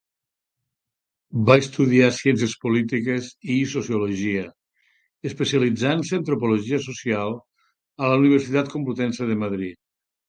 Va estudiar ciències polítiques i sociologia, especialitzant-se Antropologia Social a la Universitat Complutense de Madrid.